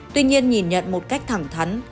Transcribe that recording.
tuy nhiên nhìn nhận một cách thẳng thắn